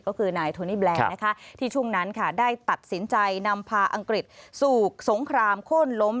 ก็คือนายทูนิแบลล์ที่ช่วงนั้นได้ตัดสินใจนำพาอังกฤษสู่สงครามโค่นล้ม